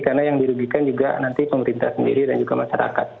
karena yang dirugikan juga nanti pemerintah sendiri dan juga masyarakat